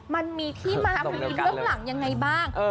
มันมีที่มาภัยหลังยังไงบ้าง